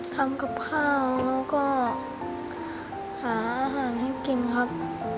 ทำกับข้าวแล้วก็หาอาหารให้กินครับ